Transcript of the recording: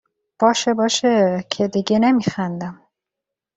باشه باشه که دیگه نمیخندم